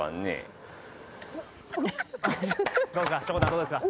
どうですか？